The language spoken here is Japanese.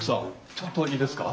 ちょっといいですか？